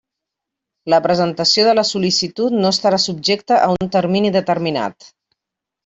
La presentació de la sol·licitud no estarà subjecta a un termini determinat.